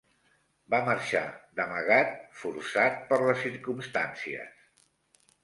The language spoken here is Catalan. Va marxar d'amagat forçat per les circumstàncies.